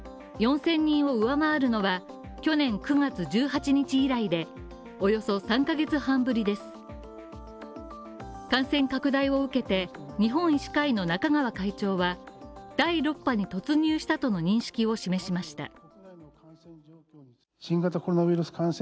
４０００人を上回るのは去年９月１８日以来で、およそ３ヶ月半ぶりです感染拡大を受けて、日本医師会の中川会長は第６波に突入したとの認識を示しました。